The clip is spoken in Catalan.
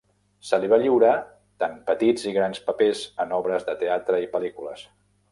Se li va lliurar tant petits i grans papers en obres de teatre i pel·lícules.